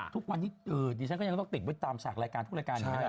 ทุกวันนี้เออดีฉันก็ยังต้องติดให้ตามฉากรายการทุกรายการนี้ค่ะ